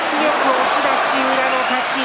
押し出し、宇良の勝ち。